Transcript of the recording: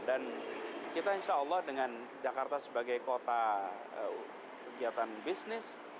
dan kita insya allah dengan jakarta sebagai kota kegiatan bisnis